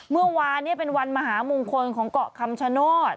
เมื่อวานนี้เป็นวันมหามงคลของเกาะคำชโนธ